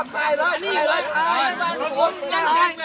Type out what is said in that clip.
พ่อหนูเป็นใคร